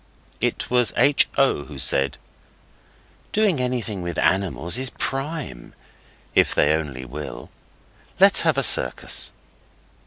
It was H. O. who said 'Doing anything with animals is prime, if they only will. Let's have a circus!